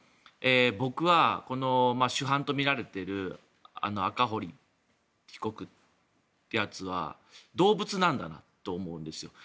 僕は、この主犯とみられている赤堀被告っていうやつは動物なんだなと思うんですよ。